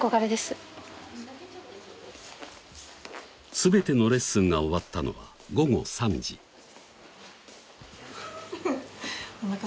全てのレッスンが終わったのは午後３時おなか